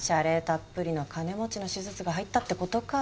たっぷりの金持ちの手術が入ったって事か。